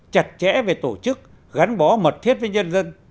chặt chẽ về tổ chức gắn bó mật thiết với nhân dân